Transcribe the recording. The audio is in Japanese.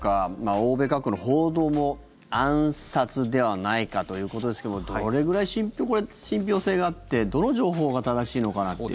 欧米各国の報道も暗殺ではないかということですがどれくらい信ぴょう性があってどの情報が正しいのかっていう。